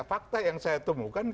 fakta yang saya temukan